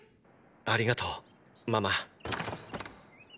ありがとうママ。